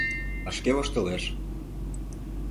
А шке воштылеш.